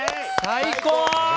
最高！